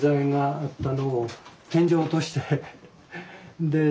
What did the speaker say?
えっ天井落として？